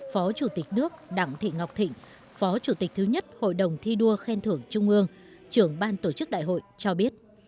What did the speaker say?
phó chủ tịch nước đặng thị ngọc thịnh phó chủ tịch thứ nhất hội đồng thi đua khen thưởng trung ương trưởng ban tổ chức đại hội cho biết